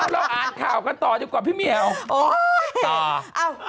เราอาจข่าวกันต่อจากกว่าพี่มีเอา